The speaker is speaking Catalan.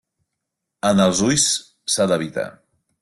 En els ulls s'ha d'evitar.